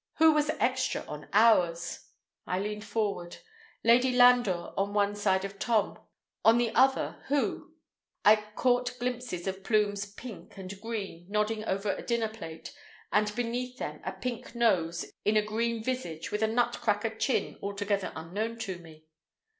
Who was extra on ours? I leaned forward. Lady Landor on one side of Tom, on the other who? I caught glimpses of plumes pink and green nodding over a dinner plate, and beneath them a pink nose in a green visage with a nutcracker chin altogether unknown to me.